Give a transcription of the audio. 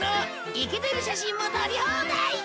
いけてる写真も撮り放題！